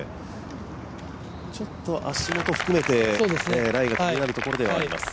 ちょっと足元含めてライが気になるところではあります。